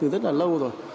rất là lâu rồi